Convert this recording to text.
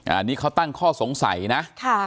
อันนี้เขาตั้งข้อสงสัยนะ